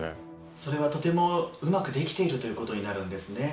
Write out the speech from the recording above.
それはとてもうまくできているということになるんですね。